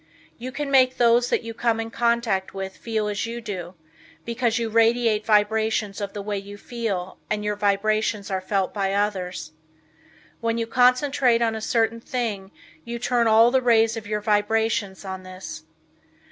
You can make those that you come in contact with feel as you do, because you radiate vibrations of the way you feel and your vibrations are felt by others. When you concentrate on a certain thing you turn all the rays of your vibrations on this.